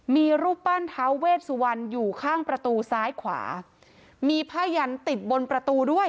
มีรูปปั้นท้าเวชสุวรรณอยู่ข้างประตูซ้ายขวามีผ้ายันติดบนประตูด้วย